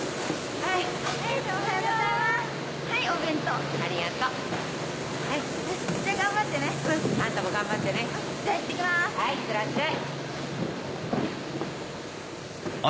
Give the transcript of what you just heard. はいいってらっしゃい。